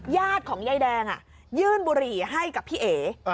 ญาติของยายแดงยื่นบุหรี่ให้กับพี่เอ๋